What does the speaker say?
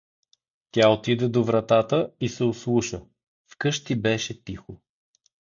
Тя отиде до вратата и се ослуша: в къщи беше тихо.